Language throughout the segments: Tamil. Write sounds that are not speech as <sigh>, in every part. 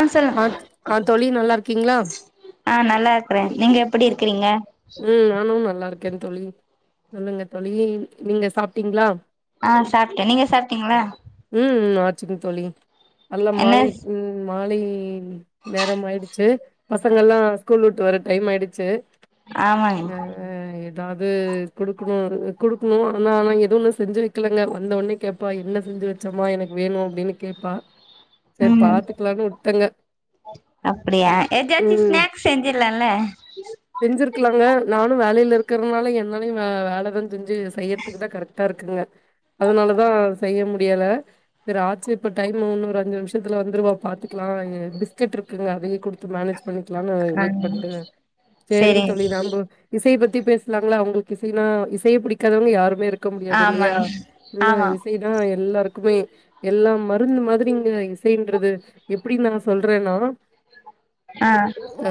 ஆ சொல் ஆ த் ஆ தோழி நல்லார்கிங்ளா ஆ நல்லார்க்றே நீங்க எப்டி இருக்கிறீங்க ம் நானும் நல்லாருக்கேன் தோழி சொல்லுங்க தோழி நீங்க சாப்டீங்ளா ஆ சாப்ட்டே நீங்க சாப்ட்டீங்ளா ம் ஆச்சுங் தோழி நல்ல என்ன மாலை ம் மாலை நேரம் ஆயிடுச்சு பசங்கல்லா ஸ்கூல் வுட்டு வர டைம் ஆயிடுச்சு ஆமாங் ஆ இப் ஏதாது குடுக்குணு வரல குடுக்குணு ஆனா நா எதொண்ணு செஞ்சு வெக்கலங்க வந்த ஒன்னே கேப் அப்பா என்ன செஞ்சு வச்சோமா எனக் வேணு அப்டின்னு கேப்பா செர் ம் பாத்துக்லானு வுட்டங்க அப்டியா ஏதாச்சு ஸ்நாக்ஸ் செஞ்சிர்லால செஞ்சிருக்லாங்க நானு வேலையில இருக்கற்னால என்னாலயு வே வேலதா செஞ்சு செய்யறதுக்கு தா கரெக்டா இருக் க அதனாலதா செய்ய முடியல தேர ஆச்சு இப்ப டைம் முன்னொரு அஞ்சு நிமிஷத்துல வந்துருவா பாத்து ஆமாய்க பிஸ்கட் இருக்குங்க அதயு குடுத்து மேனேஜ் பண்ணிக்லானு ஆ வெயிட் பண்டு சேரி செரிங்க நம்போ இசைய பத்தி பேச்னாங்ளா அவுங்ளுக்கு இசைனா இசைய புடிக்காதவங்க யாருமே இருக் க முடியாது இல்லியா ஆமாங்க ஆமா இன்னய் இசைதா எல்லாருக்குமே எல்லா மருந்து மாதிரிங்க இசைன்றது எப்டிங் நா சொல்றேனா ஆ ஆ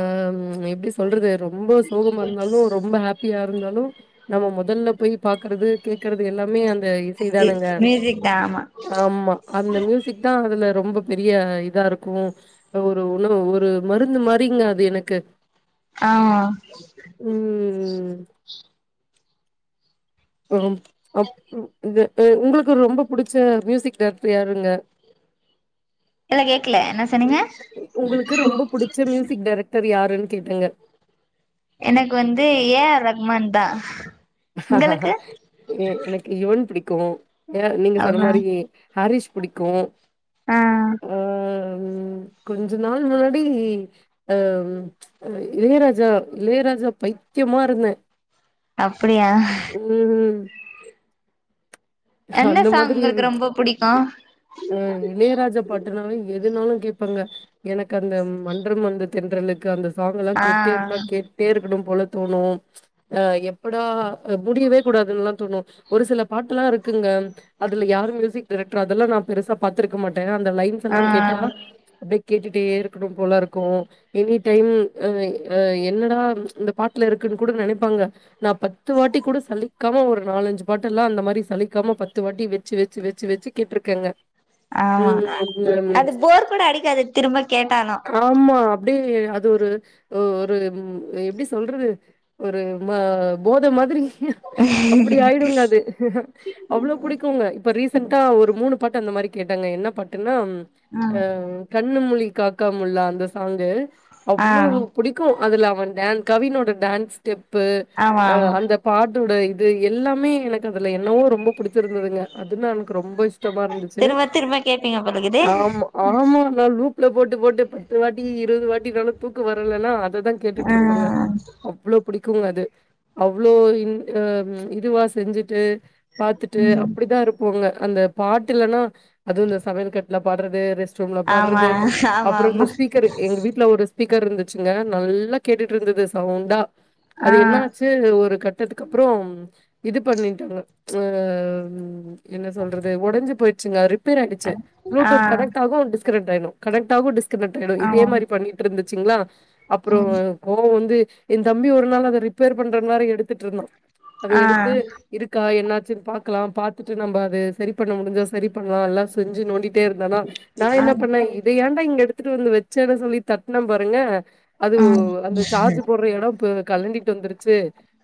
எப்டி சொல்றது ரொம்ப சோகமார்ந்தாலு ரொம்ப ஹாப்பியா இருந்தாலு நம்ம முதல்ல போய் பாக்கறது கேக்கறது எல்லாமே அந்த இ சைதானங்க மியூசிக் தா ஆமா ஆமா அந்த மியூசிக் தா அதுல ரொம்ப பெரிய இதாருக்கு ஒரு உணவு ஒரு மருந்து மாரிங்க அது எனக்கு ஆ ம் ஆ அப் உங்குளுக்கு ரொம்ப புடிச்ச மியூசிக் டைரக்டர் யாருங்க எதனா கேக்கல என்ன சொன்னீங்க உங்குளுக்கு ரொம்ப புடிச்ச மியூசிக் டைரக்டர் யாருன்னு கேட்டங்க எனக்கு வந்து ஏ ஆர் ரகுமான் தான் எனக்கு யுவன் புடிக்கும் ஏ நீங்க சொன்ன அப்றோ மாரி ஹாரீஸ் புடிக்கும் ஆ கொஞ்ச நாள் முன்னாடி அ இளையராஜா இளையராஜா பைத்தியமா இருந்தேன் அப்படியா ம் எந்த அந்த சாங் மாதிரி இரு உங்களுக்கு ரொம்ப புடிக்கும் அ இளையராஜா பாட்டுனாலே எதுனாலும் கேப்பங்க எனக்கு அந்த மன்றம் வந்த தென்றலுக்கு அந்த சாங்கெல்லாம் ஆ கேட்டுனே இருந்தா கேட் டே இருக்கணும் போல தோணும் அ எப்படா முடியவே கூடாதுன்னல்லாம் தோணும் ஒரு சில பாட்டுல்லா இருக் குங்க அதுல யாரு மியூசிக் டைரக்டர் அதெல்லாம் நான் பெருசா பாத்திருக்க மாட்டேன் அந்த லைன் ஸ் எல்லா கேட்டா ஆ அப்டியே கேட்டுட்டே இருக்கணும் போல இருக்கும் எனி டைம் என்னடா இந்த பாட்டுல இருக்குன்னு கூட நெனைப்பாங்க நான் பத்து வாட்டி கூட சலிக்காம ஒரு நாலஞ்சு பாட்டு எல்லாம் அந்த மாரி சலி க்காம பத்து வாட்டி வெச்சு வெச்சு வெச்சு வெச்சு கேட்டுருக்கங்க ஆமா ம் அது <inaudible> போர் கூட அடிக்காது திரும்ப கேட்டாலு ஆமா அப்டியே அது ஒரு ஒரு எப்பிடி சொல்றது ஒரு மா போத மாதிரி அப்படி ஆயிடுங்க அது அவ்ளோ புடிக்குங்க இப்போ ரீசன்டா ஒரு மூணு பாட்டு அந்த மாரி கேட்டங்க என்ன பாட்டுன்னா ம் கண்ணு முழி காக்காமுள்ளா அந்த சாங்கு ஆ அவ்ளோ ஆமா புடிக்கும் அதுல அவன் டேன் கவினோட டேன்ஸ் ஸ்டெப்பு ஆமா அந்த பாட்டோட இது எல்லாமே எனக்கு அதுல என்னவோ ரொம்ப புடிச்சிருந்ததுங்க அதுன்னா எனக்கு ரொம்ப இஷ்டமா இருந்துச்சு திரும்ப திரும்ப கேப்பீங்க போலக்குது ஆமா ஆமால்லா லூப்ல போட்டு போட்டு பத்து வாட்டி இருவது வாட்டி <unintelligible> தூக்க வரலனா அததா கேட்டுட்டு ஆ இருப்பங்க அவ்ளோ புடிக்குங்க அது அவ்ளோ இ இதுவா செஞ்சுட்டு பாத்துட்டு அப்படிதான் இருப்போங்க அந்த பாட்டு இல்லன்னா அதுவும் இந்த சமையல் கட்ல பாட்றது ரெஸ் ட்ரூம்ல ஆமா பாட்றது ஆமா அப்புறம் இந்த ஆமா ஸ்பீக்கர் எங்க வீட்டுல ஒரு ஸ்பீக்கர் இருந்துச்சுங்க நல்லா கேட்டுட்டு இருந்தது சவுண்டா ஆ அது என்னாச் டு ஒரு கட்டத்துக்கு அப்புறம் இது பண்ணிட்டாங்க ஆ என்ன சொல்றது உடஞ்சு போயிடுச்சுங்க ரிப் பேராயிடுச்சு ஆ ப்ளூடூத் கனெக்ட் ஆகு டிஸ்கனெட் ஆயிடும் கனெக்ட் ஆகு டிஸ்கனெட் ஆயிடும் இதே ஆமா மாரி பண்ணி டு இருந்துச்சுங்களா அப்புறம் ம் கோ வந்து ஏ தம்பி ஒரு நாள் அத ரிப்பேர் பண்ற மாரி எடுத்துட்டு இருந்தான் அத ஆ எடுத்து இருக்கா என்னா ச்சு பாக்கலாம் பாத்துட்டு நம்ம அது செரி பண்ண முடிஞ்சா செரி பண்ணலாம் எல்லாம் செஞ்சு நோண்டி டே இருந்தானா நா ஆ என்ன பண்ணேன் இத ஏண்டா இங்க எடுத்துட்டு வந்து வெச்சேன் சொல்லி தட்டுன பாருங்க அது ம் அந்த சார்ஜ் போட்ற எடம் போ கலண்டிட்டு வந்துருச்சு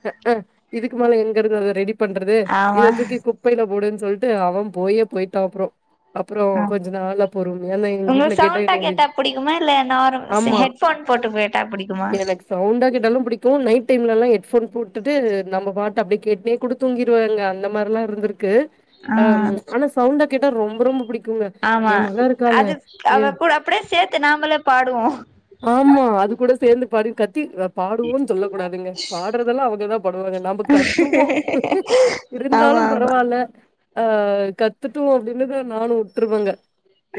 அ ஆ இதுக்கு மேல எங்க இருந்து அத ரெடி பண்றது ஆமா இத தூக்கி குப்பையில போடுன் சொல்ட்டு அவன் போயே போயிட்டான் அப்றோம் அப்புறம் ம் கொஞ்ச நாளா பொறுமைய நா எங்க வீட்ல உங்களுக்கு கேட்ட சவுண்டா என்னய வெ ஆமா போன் போட்டு கேட்டா புடிக்குமா எனக்கு சவுண்டா கேட்டாலு புடிக்கும் நைட் டைம்லலா ஹெட்போன் போட்டுட்டு நம்ப பாட்டு அப்டி கேட்டுனே கூட தூங்கிருவேங்க இந்த மார்லா இருந்திருக்கு ஆ ஆம் ஆனா சவுண்டா கேட்டா ரொம்ப ரொம்ப புடிக்குங்க ஆமா அது அவ கூட அப்டியே சேத்து நாமளே பாடுவோம் ஆமா அது கூட சேந்து பாடி கத்தி பாடுவோன் சொல்ல கூடாதுங்க பாடுறதெல்லாம் அவங்கதா படுவாங்க நாம கத்துவோம் இரு ஆமா ந்தாலும் ஆமா பரவால அ கத்துட்டும் அப்டின்னு நானு வுட்ருவங்க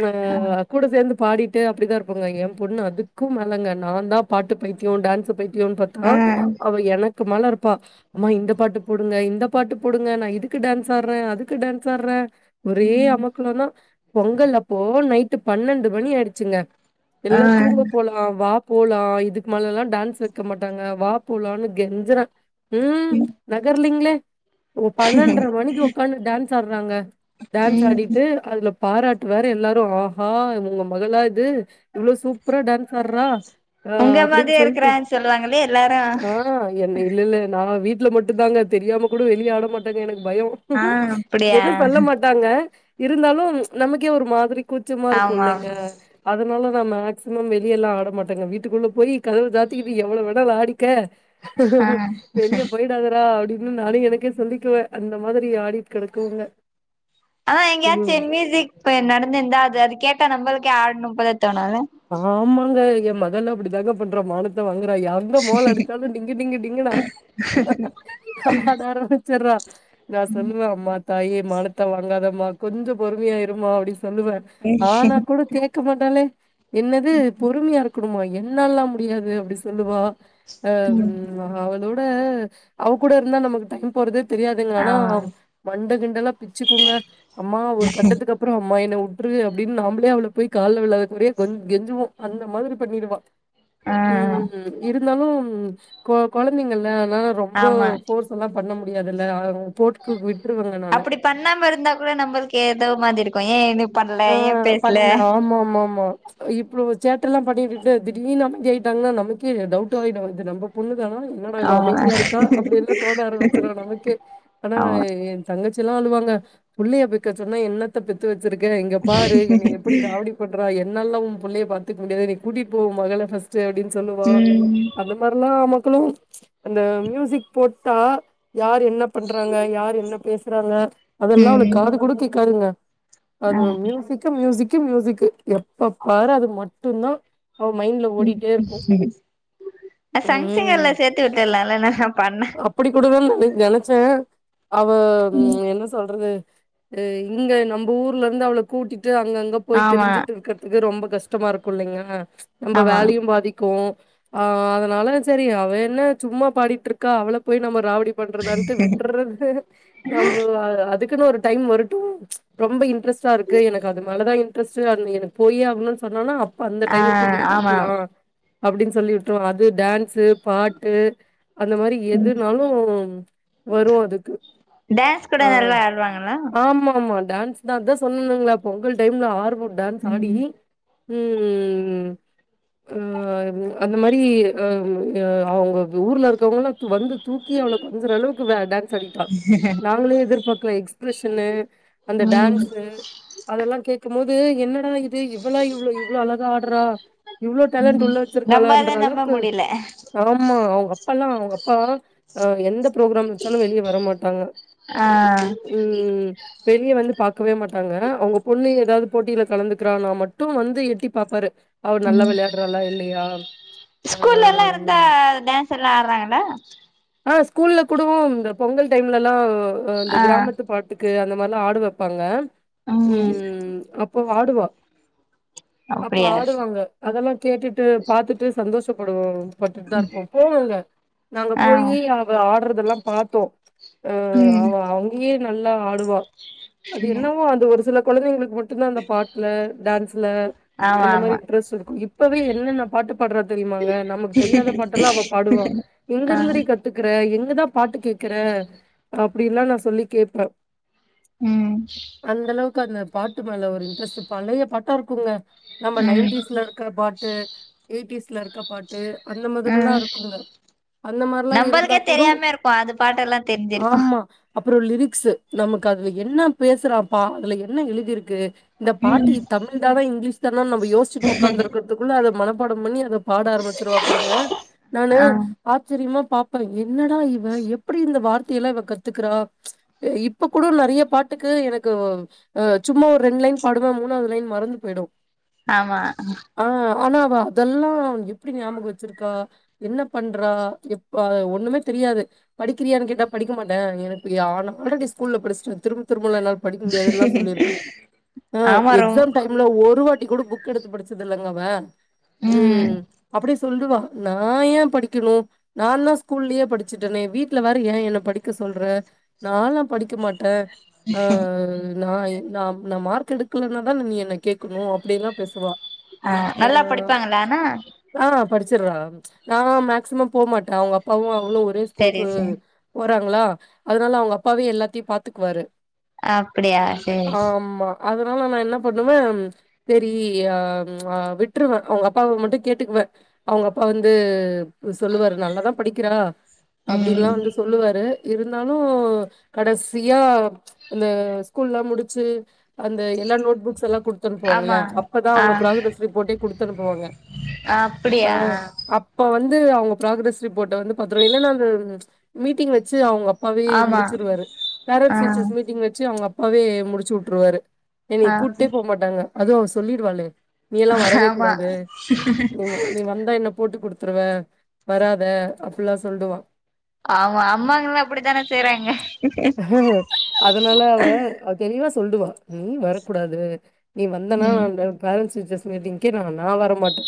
ஆ கூட சேந்து பாடிட்டு அப்டிதா இருப்பங்க என் பொண்ணு அதுக்கு மேலங்க நாந்தா பாட்டு பயி தியோ டான்ஸ் பைத்தியோ பாத்தா ம் அவ எனக் க்கு மேல இருப்பா அம்மா இந்த பாட்டு போடுங்க இந்த பாட்டு போடுங்க நா இதுக்கு டான்ஸ் ஆடுறேன் அதுக்கு டான்ஸ் ஆடுறேன் ஒரே அமக்கள்ளந்தா பொங்கல்லப்போ நைட்டு பன்னெண்டு மணி ஆயிடுச்சுங்க ஆ எல்லா தூங்க போல வா போலா இதுக்கு மேலலா டான்ஸ் வைக்க மாட்டாங்க வா போலான் கெஞ்சுறேன் ம் நகர்லிங்களே ஓ பன்னெண்டர மணிக்கு உக்காண்டு டான்ஸ் ஆடுறாங்க டான்ஸ் ம் ஆடிட்டு அதுல பாராட்டு வேற எல்லாரும் ஆஹா உங்க மகளா இது இவ்ளோ சூப்பரா டான்ஸ் ஆர்றா ஆ உங்க அப்டின் மாதிரியே சொல்ட்டு இருக்கிறான்னு சொல்லுவாங்களே எல்லாரு ஆ ஆ என்ன இல்ல இல்ல நா வீட்ல மட்டு தாங்க தெரியாம கூட வெளிய ஆட மாட்டேங்க எனக்கு பயம் ஆ அப்படியா எதும் சொல்ல மாட் டாங்க இருந்தாலு நமக்கே ஒரு மாதிரி கூச்சமா இருக்கும் ஆமா ல்லங்க அதனால நா மேக்சிமம் வெளியலா ஆட மாட்டேங்க வீட்டுக்குள்ள போய் கதவு சாத்திக்கிட்டு எவ்வளவு வேணால ஆடிக்க ஆ வெளிய போய் <unintelligible> அப்டின் நானும் எனக்கே சொல்லிக்குவேன் அந்த மாதிரி ஆடிட் கெடக்குங்க ஆன் எங்கயாச்சு மியூசிக் நடந்துருந்தா அது அது கேட்டா நம்மளுக்கே ஆடணும் போல தோணுல ஆமாங்க என் மகள்ல அப்டி தாங்க பண்றா மானத்தை வாங்கற யா எங்க மோல அடிச்சாலும் டிங்கு டிங்கு டிங்கனா ஆட ஆரம்பிச்சற நா சொல்லுவே அம்மா தாயே மானத்த வாங்காதம்மா கொஞ்சம் பொறுமையா இருமா அப்டின் சொல்லுவே ஆனா கூட கேட்க மாட்டாலே என்னது பொறுமயா இருக்கணுமா என்னால்லா முடியாது அப்டி சொல்லுவா அ அவளோட அவ கூட இருந்தா நமக்கு டைம் போறதே தெரியாதுங்க ஆனா ஆமா மண்ட கிண்டெல்லா பிச்சுக்குங்க அம்மா ஒரு கட்டத்துக்கப்புறம் அம்மா என்னை வுட்ரு அப்டின் நாமளே அவள போய் கால விளாதகுரையா கெஞ் கெஞ்சுவோம் அந்த மாரி பண்ணிடுவா ஆ ம் இருந்தாலும் கொழந்தைங்கல அதனால ரொம்ப ஆமா போர்ஸ் எல்லாம் பண்ண முடியாதுல்ல அவங்க போட்டு விட்டுருவங்க நானு அப்படி பண்ணாம இருந்தா கூட நம்பளுக்கு ஏத மாதிரி இருக்கும் ஏன் இது பண்ணல ஏன் பண்ண ஆமா ஆமா ஆமா இப்போ சேட்டை ல்லாம் பண்ணிட்டு திடீனு அமைதி ஆயிட்டாங்கன்னா நமக்கே டவுட் ஆயிடது நம்போ பொண்ணுதானா என்னாடா இவ ஆமா அமைதியா இருக்கா அப்டி எல்லாம் தோன ஆரம்பிச்சுறு நமக்கே ஆனா ஆமா தங்கச்சி எல்லா அழுவாங்க புள்ளைய பெக்க சொன்னா என்னத்த பெத்து வச்சிருக்கே இங்க பாரு என்னய எப்டி ராவடி பண்றா என்னாலல்லா உம் புள்ளய பாத்துக்க முடியாது நீ கூட்டிட்டு போ மொதல்ல ஃப்ர்ஸ்ட்டு அப்டின்னு சொல்லுவா ம் அந்த எல்லா மக்களு அந்த மியூசிக் போட்டா யார் என்ன பண்றாங்க யார் என்ன பேசுறாங்க அதெல்லா அவளுக்கு ம் காது குடுத்துக் கேளுங்க அது மியூஸ் மியூசிக் மியூசிக் மியூசிக் எப்ப பாரு அது மட்டு தா அவ மைண்ட்ல ஓடிட்டே இருக்கு அ சன் ம் சிங்கர்ல சேத்து விட்டரால்லா நல்ல பாடினா அப்டி கூடவே நென நெனைச்சே அவ என்ன சொல்றது அ இங்க நம்ம ஊர்ல இருந்து அவளை கூட்டிட்டு அங்கங்க போய் ஆமா திரிஞ்சுட்டு இருக் துக்கு ரொம்ப கஷ்டமா இருக்கு இல்லைங்க நம்ம ஆமா வேலையு பாதிக் கு ஆ அதனால எனக்கு சரி அவ என்ன சும்மா பாடிட்டு இருக்கா அவள போய் நம்ம ராவடி பண்றதானுட்டு விட்டறது நம்ம அதுக்குன்னு ஒரு டைம் வருட்டு ரொம்ப இன்ட்ரெஸ்ட்டா இருக் க்கு எனக்கு அது மேலதா இன்ட்ரெஸ்ட் அது எனக்கு போய் ஆகுனுன்னு சொன்னா அப்ப அந்த ஆ டைம் கூட்டிட்டு ஆமா போய்கலா அப்டின்னு சொல்லிட்டு அது டேன் ஸ் பாட்டு அந்த மாரி ம் எதுனாலு வரு அதுக்கு டான்ஸ் கூட ஆ நல்லா ஆடுவாங்களா ஆமா ஆமா டேன்ஸ் நாதா சொன்னனுங்களா அப்போ உங்கள்கிட்ட இருந்து ஆர்வோ டேன்ஸ் ஆடி ம் ம் ஆ அந்த மாரி அ அவங்க ஊர்ல இருக்கவங்கலா வந்து தூக்கி அவள கொஞ்சறளவுக்கு அ டான்ஸ் ஆடிட்டா நாங்களே எதிர்பார்க்கல எக்ஸ்ப்ரெஷன்னு அந்த ம் டான்ஸு அதெல்லா கேக்கும் போது என்னடா இது இவள இவ்ளோ இவ்ளோ அழகா ஆடுறா இவ்ளோ டேலண்டட் ம் உள்ள நம்பாத வச்சிருக்காளன்ற நம்ப அளவுக்கு முடியல ஆமா அவங்க அப்பல்லா அவங்க அப்பா ஆ எந்த புரோகிரம் வச்சாலு வெளியே வர மாட்டாங்க ஆ ம் வெளியே வந்து பாக்கவே மாட் டாங்க அவங்க பொண்ணு ஏதாவது போட்டியில கலந்துக்கிறான்னா மட்டு வந்து எட்டிப் பாப்பாரு அவ நல்லா ம் விளையாடுறலா இல்லையா அ ஸ்கூல்ல எல்லா இருந்தா டான்ஸ் எல்லா ஆடறாங்களா ஆ ஸ்கூல்ல கூடவு இந்த பொங்கல் டைம்லல்லா இந்த ஆ கிராமத்து பாட் டுக்கு அந்த மாரி எல்லா ஆட வெப்பாங்க ம் அப்போ ஆடுவா அப்ப அப்படியா ஆடுவாங்க அதெல்லா கேட்டுட்டு பாத்துட்டு சந்தோஷப்படுவோ பட்டு தா இருப்போ போவோங்க நாங்க ஆ போயி அவ ஆடுறதெல்லா பாத்தோ பிளீஸ் இங்கையே நல்லா ஆடுவா அது ம் என்னவோ அந்த ஒரு சில குழந்தைங்களுக்கு மட் டுந்தா அந்த பாட்டுல டேன்ஸ்ல ஆமா அந்த மாரி ஆமா இன்ட்ரெஸ்ட் இருக்கு இப்பவே என்னென்ன பாட்டு பாடுற தெரியுமாங்க நமக்கு தெரியாத பாட்டு எல்லா அவ பாடுவா எங்க ஆ இருந்து கத்துக்குற எங்கதா பாட்டு கேக்குற அப்டின்ல்லா நா சொல்லி கேப்பே ம் அந்த அளவுக்கு அந்த பாட்டு மேல ஒரு இன்ட்ரெஸ்ட் பழைய பாட்டா இருக்குங்க நம்ம ம் நைன்டீஸ்ல இருக்க பாட்டு எயிட்டிஸ்ல இருக்க பாட்டு அந்த மாதிரெல்லா இருக்குங்க அந்த மாரிலா இருந்தா நம்பளுக்கே தெரியாமே இருக்கு அது பாட்டு எல்லா தெரிஞ்சிரு அப்புற லிரிக்ஸ் நமக்கு அதுல என்ன பேசுறான்ப்பா அதுல என்ன எழுதிருக்கு இந்த ம் பாட்டு தமிழ் தானா இங்கிலீஷ் தானான்னு நம யோசிச்சுட்டு உக்காந்துருக்கதுக்குள்ள அத மனப்பாடம் பண்ணி அத பாட ஆரம்பிச்சுருவா பாருங்க நானு ஆ ஆச் சரியமா பாப்பே என்னடா இவ எப்டி இந்த வார்த்தையெல்லா இவ கத்துக்குறா இப்ப கூட நெறைய பாட்டுக்கு எனக்குவ் அ சும்மா ஒரு ரெண்டு லைன் பாடுவே மூனாவது லைன் மறந்து போயுடு ஆமா ஆ ஆனா அவ அதெல்லா எப்டி ஞாபகோ வச்சிருக்கா என்ன பண்றா எப்பா ஒன்னுமே தெரியாது படிக்கிறியான்னு கேட்டா படிக்க மாட்டே எனக்கு யா நா ஆல்ரெடி ஸ்கூல்ல படிச்சிட்டே திரும்ப திரும்பலா என்னால படிக்க முடியாதுன்லா சொல்லிருக்கா அ ஆமா ரொம் எக்ஸாம் டைம் ல ஒரு வாட்டி கூட புக் எடுத்து படிச்சது இல்லைங்க அவே ம் அப்டி சொல்லுவா நா ஏ படிக்கணு நான்ல்லா ஸ்கூல்லயே படிச்சுட்டனே வீட்ல வேற ஏ என்ன படிக்க சொல்ற நால்லா படிக்க மாட்டே ஆ நா எ நா நா மார்க் எடுக்கலனா தான நீ என்ன கேக்கணு அப்டி எல்லா பேசுவா ஆ நல்லா ஆ படிப்பாங்களா ஆனா ஆ படிச்சிறா நா மேக்சிமம் போமாட்டே அவங்க அப்பாவு அவளு ஒரே சரி ஸ்கூலுக்கு சரி போறாங்களா அதனால அவங்க அப்பாவே எல்லாத்தையு பாத்துக்குவாரு அப்படியா சரி ஆமா அதனால நா என்ன பண்ணுவே சரி ஆ ஆ விட்ருவே அவங்க அப்பாவ மட்டு கேட்டுக்குவே அவங்க அப்பா வந்து சொல்லுவாரு நல்லாதா படிக்கிறா அப்டின்ல்லா ம் வந்து சொல்லுவாரு இருந்தாலு கடசியா அந்த ஸ்கூல்லா முடிச்சு அந்த எல்லா நோட் புக்ஸூ எல்லா குடுத் த்தனுப்பு வாங்கள்ல ஆமா அப்பதா ஆ அவங்க ப்ராகரஸ் ரிப்போர்டே குடுத்தனுப்புவாங்க அ அப்டியா அப்ப வந்து அவங்க ப்ராகரஸ் ரிப்போட்ட வந்து பாத்துரு இல்லன்னா அந்த மீட்டிங் வச்சு அவங்க அப் பாவே ஆமா முடிச்சுருவாரு ஆ பேரண்ட்ஸ் டீச்சர்ஸ் மீட்டிங் வச்சு அவங்க அப்பாவே முடிச்சு வுட்ருவாரு என்னைய ஆ கூட்டே போமாட்டாங்க அதுவு அவ சொல்லிருவாளே நீ எல்லா வரவே ஆமா கூடாது ம் நீ வந்தா என்ன போட்டு குடுத்துருவ வராத அப்புலா சொல்லுவா ஆமா அம்மாங்கல்லா அப்டிதான செய்றாங்க அ தெளிவா சொல்டுவா ம் வரக்கூடாது நீ வந்தேனா நா ம் இந்த பேரன்ட்ஸ் டீச்சர்ஸ் மீட்டிங்க்கே நா நா வர மாட்டே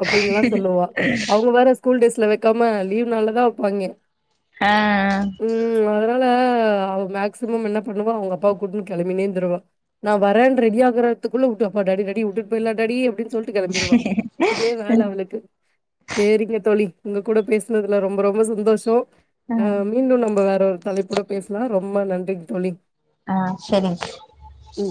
அப்டின்ல்லா சொல்லுவா அவங்க வேற ஸ்கூல் டேஸ்ல வைக்காம லீவ் நாள்ல தா வப்பாங்கே அ அ ம் அதனால அவ மேக்சிமம் என்ன பண்ணுவா அவங்க அப்பா கூட்டுன்னு கெளமினே இருந்துருவா நா வரேன் ரெடி ஆகுறதுக்குள்ள வுட்டு அப்பா டடி டடி வுட்டுட் போயிலா டாடி அப்டின் சொல்ட் டு கெளம்பிருவா இதே வேல அவளுக்கு சேரீங்க தோழி உங்க கூட பேசுனதுல ரொம்ப ரொம்ப சந்தோஷோ ஆ அ மீண்டு நம்ப வேற ஒரு தலைப்புட பேசலா ரொம்ப நன்றி தோழி ஆ செரிங் ம்